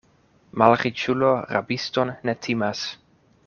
Malriĉulo rabiston ne timas.